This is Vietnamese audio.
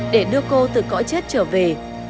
để đưa cô từ cõi chết trở về